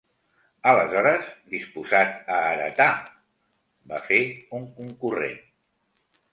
Aleshores, disposa't a heretar…- va fer un concurrent.